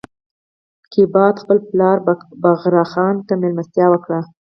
کیقباد خپل پلار بغرا خان ته مېلمستیا وکړه.